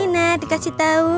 nah dikasih tau